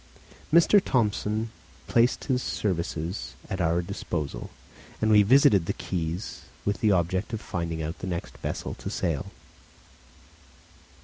M. Thomsen placed his services at our disposal, and we visited the quays with the object of finding out the next vessel to sail.